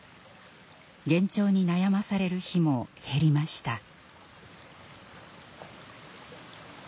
幻聴に悩まされる日も減りました。